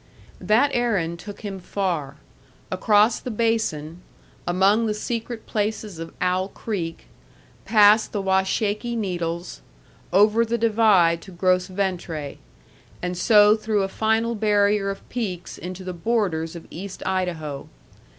That errand took him far: Across the Basin, among the secret places of Owl Creek, past the Washakie Needles, over the Divide to Gros Ventre, and so through a final barrier of peaks into the borders of East Idaho.